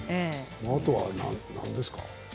あとは何ですか？